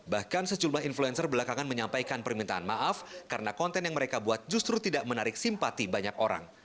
bahkan sejumlah influencer belakangan menyampaikan permintaan maaf karena konten yang mereka buat justru tidak menarik simpati banyak orang